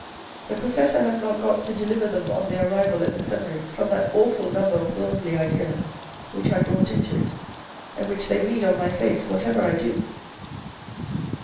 The professor has not got to deliver them on their arrival at the seminary from that awful number of worldly ideas which I brought into it, and which they read on my face whatever I do."